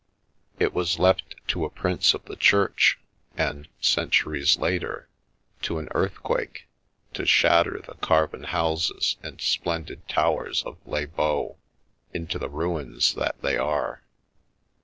It was left to a Prince of the Church, and, centuries later, to an earth quake, to shatter the carven houses and splendid towers of Les Baux into the ruins that they are.